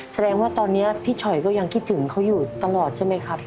แสดงว่าตอนนี้พี่ฉอยก็ยังคิดถึงเขาอยู่ตลอดใช่ไหมครับ